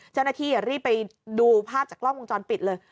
เจ้าหน้าที่รีบไปดูภาพจากกล้องวงจรปิดเลย